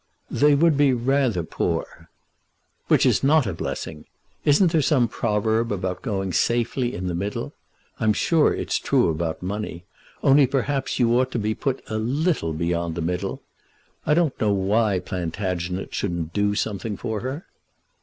"They would be rather poor." "Which is not a blessing. Isn't there some proverb about going safely in the middle? I'm sure it's true about money, only perhaps you ought to be put a little beyond the middle. I don't know why Plantagenet shouldn't do something for her."